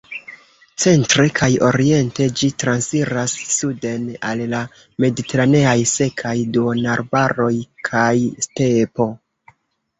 Centre kaj oriente ĝi transiras suden al la mediteraneaj sekaj duonarbaroj kaj stepo.